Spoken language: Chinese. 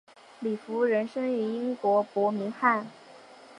李福仁生于英国伯明翰。